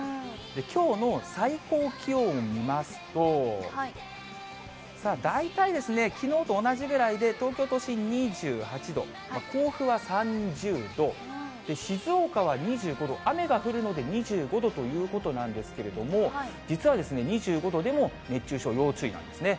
きょうの最高気温を見ますと、さあ、大体ですね、きのうと同じぐらいで、東京都心２８度、甲府が３０度、静岡は２５度、雨が降るので、２５度ということなんですけれども、実は２５度でも熱中症要注意なんですね。